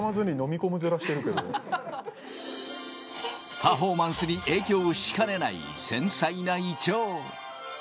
パフォーマンスに影響しかねない繊細な胃腸。